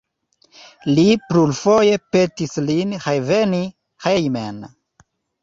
Li plurfoje petis lin reveni hejmen.